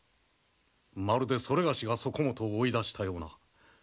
まるでそれがしがそこもとを追い出したような。